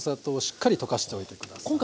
しっかり溶かしておいて下さい。